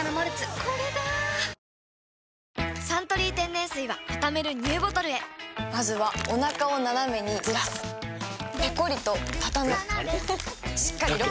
「サントリー天然水」はたためるＮＥＷボトルへまずはおなかをナナメにずらすペコリ！とたたむしっかりロック！